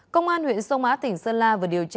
công an huyện sông á tỉnh sơn la vừa điều tra